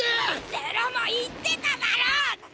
瀬呂も言ってただろ！？